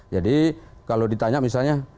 jadi kalau ditanya misalnya